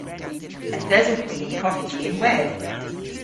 Yth esowgh hwi y'n koffiji ynwedh.